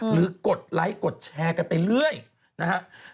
หรือกดไลก์กดแชร์กันไปเรื่อยนะฮะ